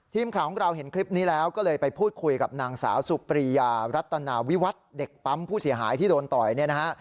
ทีมข่าวของเราเห็นคลิปนี้แล้วก็เลยไปพูดคุยกับนางสาวสุปรียารัตนาวิวัตรเด็กปั๊มผู้เสียหายที่โดนต่อยเนี่ยนะฮะ